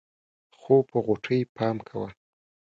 خو په غوټۍ پام کوه.